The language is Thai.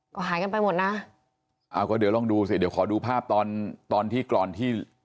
ก็หายกันไปหมดนะอ่าก็เดี๋ยวลองดูสิเดี๋ยวขอดูภาพตอนตอนที่ก่อนที่